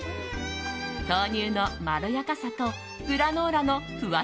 豆乳のまろやかさとグラノーラのふわ